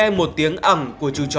khi nghe một tiếng ẩm của chú chó